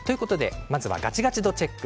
まずガチガチ度チェック。